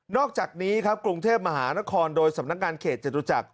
อกจากนี้ครับกรุงเทพมหานครโดยสำนักงานเขตจตุจักร